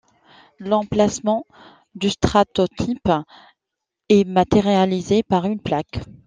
L'emplacement du stratotype est matérialisé par une plaque.